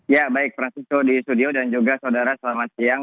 ya baik prasetyo di studio dan juga saudara selamat siang